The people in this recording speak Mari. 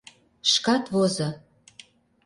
Шкат возо...